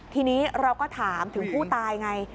ทีนี้เราก็ถามถึงผู้ตายไง